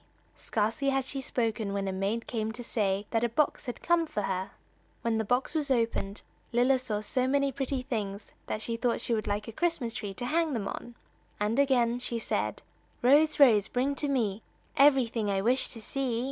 Scarcely had she spoken when a maid came to say that a box had come for her. When the box was opened, Lilla saw so many pretty things that she thought she would like a Christmas tree to hang them on, and again she said: "Rose, Rose, bring to me Everything I wish to see."